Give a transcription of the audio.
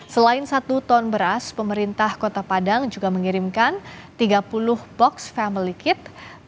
selain satu ton beras pemerintah kota padang juga mengirimkan tiga puluh box family kit